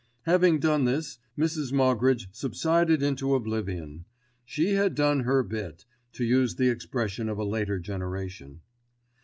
Having done this Mrs. Moggridge subsided into oblivion. She had done her "bit," to use the expression of a later generation.